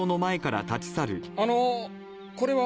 あのこれは。